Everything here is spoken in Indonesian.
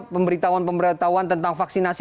pemberitahuan pemberitahuan tentang vaksinasi